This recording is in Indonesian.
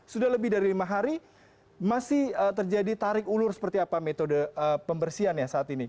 sudah lebih dari lima hari masih terjadi tarik ulur seperti apa metode pembersihannya saat ini